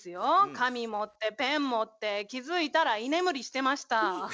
紙持ってペン持って気付いたら居眠りしてました。